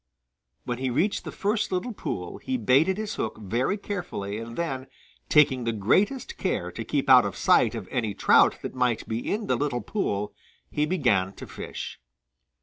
When he reached the first little pool he baited his hook very carefully and then, taking the greatest care to keep out of sight of any trout that might be in the little pool, he began to fish.